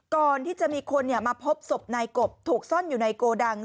ก่อนที่จะมีคนมาพบศพนายกบถูกซ่อนอยู่ในโกดัง